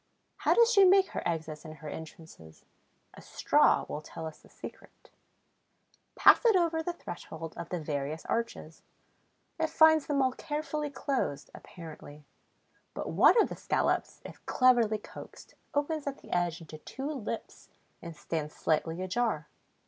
How does she make her exits and her entrances? A straw will tell us the secret. Pass it over the threshold of the various arches. It finds them all carefully closed, apparently. But one of the scallops, if cleverly coaxed, opens at the edge into two lips and stands slightly ajar.